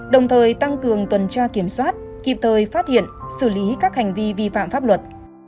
đồng thời tăng cường tuần tra kiểm soát kịp thời phát hiện xử lý các hành vi vi phạm pháp luật